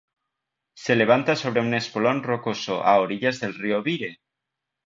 Se levanta sobre un espolón rocoso a orillas del río Vire.